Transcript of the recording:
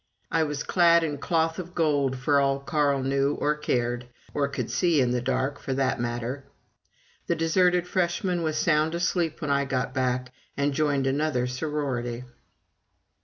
I was clad in cloth of gold for all Carl knew or cared, or could see in the dark, for that matter. The deserted Freshman was sound asleep when I got back and joined another sorority.